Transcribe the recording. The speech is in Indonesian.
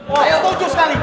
oh ayo setuju sekali